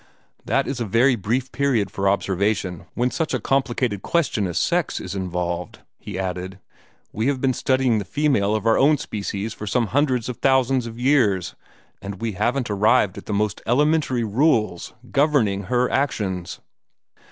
"That is a very brief period for observation when such a complicated question as sex is involved," he added. "We have been studying the female of our own species for some hundreds of thousands of years, and we haven't arrived at the most elementary rules governing her actions."